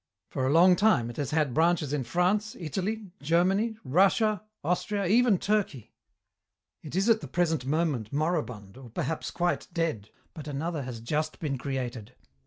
For a long time it has had branches in France, Italy, Germany, Russia, Austria, even Turkey. "It is at the present moment moribund, or perhaps quite dead, but another has just been created.